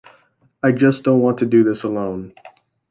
I just don't want to do this alone.